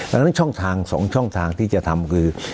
ดังนั้นช่องทาง๒ช่องทางที่จะทำคือ